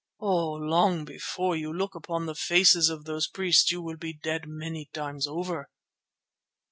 Oh! long before you look upon the faces of those priests you will be dead many times over."